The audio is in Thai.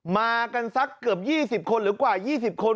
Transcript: มากันสักเกือบ๒๐คนหรือกว่า๒๐คน